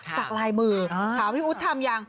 สักลายมือขอบพี่อู๋ทำอย่าง